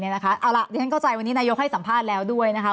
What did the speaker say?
เอาล่ะเรียนเข้าใจวันนี้นายกให้สัมภาษณ์แล้วด้วยนะคะ